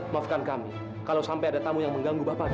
maafkan kami kalau sampai ada tamu yang mengganggu bapaknya